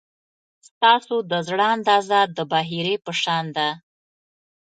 ستاسو د زړه اندازه د بحیرې په شان ده.